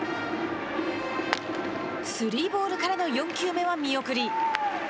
スリーボールからの４球目は見送り。